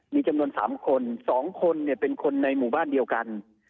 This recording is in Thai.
มีจำนวน๓คน๒คนเป็นคนในหมู่บ้านเดียวกัน